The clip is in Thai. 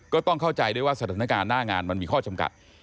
ก็ต้องเข้าใจด้วยว่าสถานการณ์หน้างานมันมีข้อจำกัด